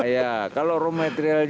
masa jangan berlebihan